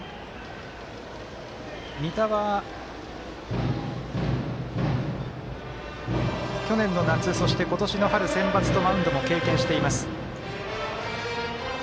仁田は、去年の夏そして今年の春センバツとマウンドも経験しています。